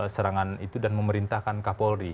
serangan itu dan memerintahkan kapolri